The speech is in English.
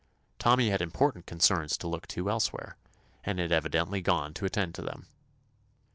Tom my had important concerns to look to elsewhere, and had evidently gone to attend to them.